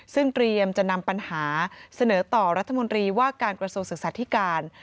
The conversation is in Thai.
ซึ่งเตรียมจะนำปัญหาเสนอต่อรัฐมนตรีว่าการกระทรวงศึกษาธิการ